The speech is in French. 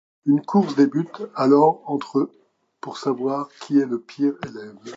Une course débute alors entre eux pour savoir qui est le pire élève.